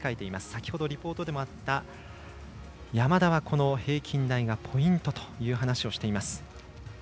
先ほどリポートでもあった山田は平均台がポイントという話をしています。